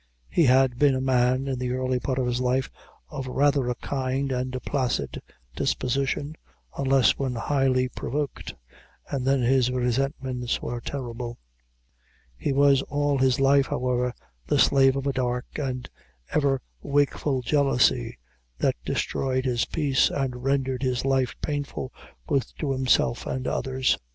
He had been a man, in the early part of his life, of rather a kind and placid disposition, unless when highly provoked, and then his resentments were terrible. He was all his life, however, the slave of a dark and ever wakeful jealousy, that destroyed his peace, and rendered his life painful both to himself and others.